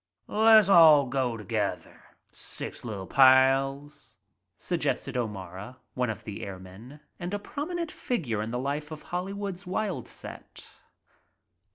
"Le's all go together — six lil* pals," suggested O'Mara, one of the airmen, and a prominent figure in the life of Hollywood's wild set.